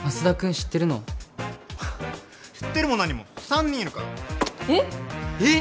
知ってるも何も３人いるからパッえっ？えっ？